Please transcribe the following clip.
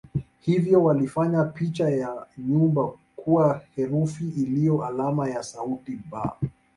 Hivyo walifanya picha ya nyumba kuwa herufi iliyo alama ya sauti "b".